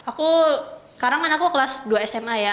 aku sekarang kan aku kelas dua sma ya